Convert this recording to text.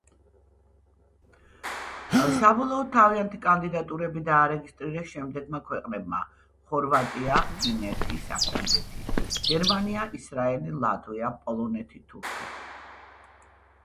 საბოლოოდ, თავიანთი კანდიდატურები დაარეგისტრირეს შემდეგმა ქვეყნებმა: ხორვატია, ფინეთი, საფრანგეთი, გერმანია, ისრაელი, ლატვია, პოლონეთი, თურქეთი.